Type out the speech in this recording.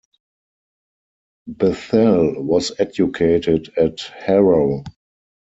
Bethell was educated at Harrow.